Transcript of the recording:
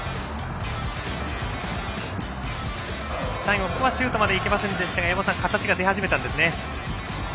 最後、シュートまではいきませんでしたが山本さん、形が出始めたんですね。